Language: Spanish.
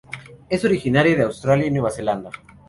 Es originaria de Australia y Nueva Zelanda.